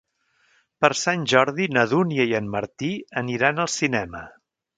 Per Sant Jordi na Dúnia i en Martí aniran al cinema.